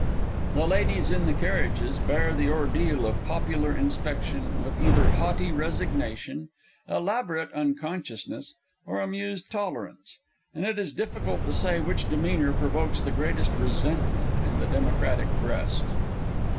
The ladies in the carriages bear the ordeal of popular inspection with either haughty resignation, elaborate unconsciousness, or amused tolerance, and it is difficult to say which demeanour provokes the greatest resentment in the democratic breast.